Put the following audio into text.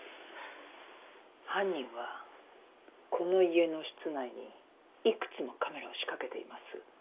犯人はこの家の室内にいくつもカメラを仕掛けています。